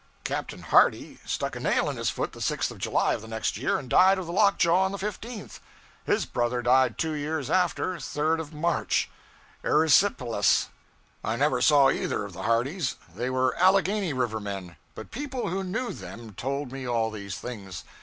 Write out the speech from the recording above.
Captain Hardy stuck a nail in his foot the 6th of July of the next year, and died of the lockjaw on the 15th. His brother died two years after 3rd of March, erysipelas. I never saw either of the Hardys, they were Alleghany River men, but people who knew them told me all these things.